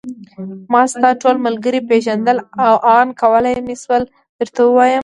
ما ستا ټول ملګري پېژندل او آن کولای مې شول درته ووایم.